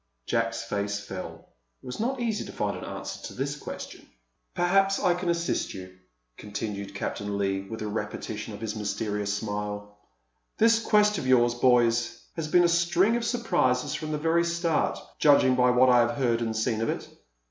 Jack's face fell.. It was not easy to find an answer to this question. "Perhaps I can assist you," continued Captain Leigh, with a repetition of his mysterious smile. "This quest of yours, boys, has been a string of surprises from the very start, judging by what I have heard and seen of it.